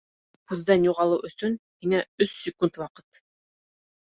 Күҙҙән юғалыу өсөн һиңә өс секунд ваҡыт.